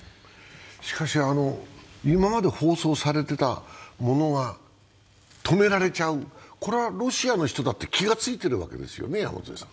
しかし今まで放送されていたものが止められちゃう、これはロシアの人だって気がついてるわけですよね？